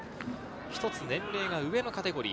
一つ年齢が上のカテゴリー。